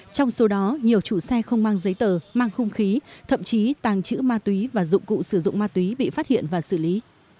trong số đó nhiều chủ xe không mang giấy tờ mang khung khí thậm chí tàng trữ ma túy và dụng cụ sử dụng ma túy bị phát hiện và xử lý